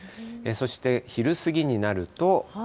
そして昼過ぎになると。